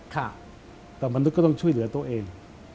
แต่มนุษย์ก็ต้องช่วยเหลือตัวเอง